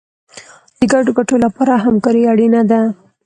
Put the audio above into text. د ګډو ګټو لپاره همکاري اړینه ده.